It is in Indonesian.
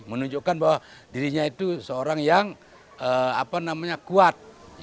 menunjukkan bahwa dirinya itu seorang yang apa namanya kuat